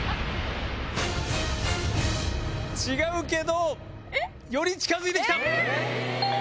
違うけど、より近づいてきた。